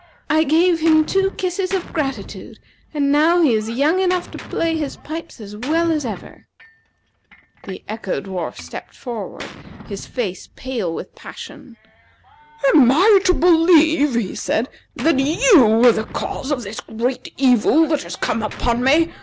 I gave him two kisses of gratitude, and now he is young enough to play his pipes as well as ever." The Echo dwarf stepped forward, his face pale with passion. "Am I to believe," he said, "that you are the cause of this great evil that has come upon me?